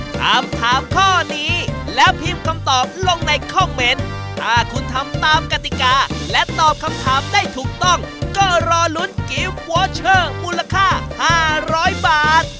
ถามถามข้อนี้แล้วพิมพ์คำตอบลงในคอมเมนต์ถ้าคุณทำตามกติกาและตอบคำถามได้ถูกต้องก็รอลุ้นกิฟต์วอเชอร์มูลค่า๕๐๐บาท